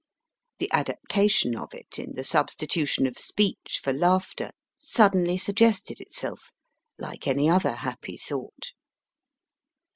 The adaptation of it, in the substitution of speech for laughter, suddenly suggested itself, like any other happy thought.